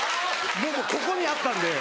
ここにあったんで。